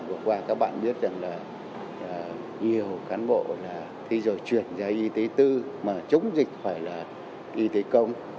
vừa qua các bạn biết rằng là nhiều cán bộ là thế rồi chuyển ra y tế tư mà chống dịch phải là y tế công